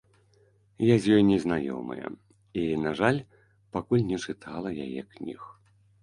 Я з ёй не знаёмая і, на жаль, пакуль не чытала яе кніг.